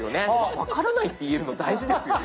「分からない」って言えるの大事ですよね。